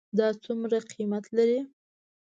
دا څومره قیمت لري ?